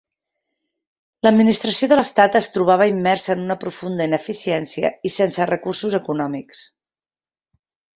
L'administració de l'Estat es trobava immersa en una profunda ineficiència i sense recursos econòmics.